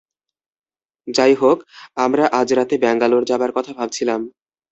যাইহোক, আমরা আজ রাতে ব্যাঙ্গালোর যাবার কথা ভাবছিলাম।